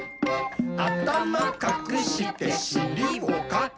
「あたまかくしてしりもかく！」